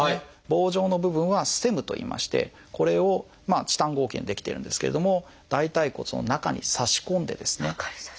棒状の部分は「ステム」といいましてこれをチタン合金で出来てるんですけれども大腿骨の中に差し込んでですね